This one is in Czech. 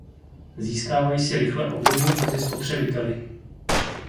Získávají si rychle oblibu mezi spotřebiteli.